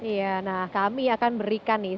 iya nah kami akan berikan nih